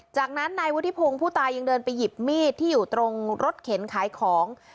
จากนั้นนายวุฒิพงศ์ผู้ตายยังเดินไปหยิบมีดที่อยู่ตรงรถเข็นขายของ